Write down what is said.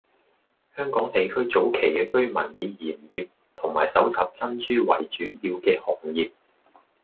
香港地區早期嘅居民係以鹽業同埋搜集珍珠為主要嘅行業。